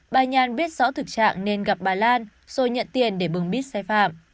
bà nhàn biết rõ thực trạng nên gặp bà lan rồi nhận tiền để bừng bít sai phạm